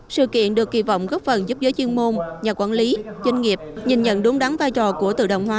sự kiện được kỳ vọng góp phần giúp giới chuyên môn nhà quản lý doanh nghiệp nhìn nhận đúng đắn vai trò của tự động hóa